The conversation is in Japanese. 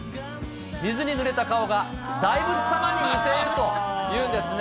水にぬれた顔が大仏様に似ているというんですね。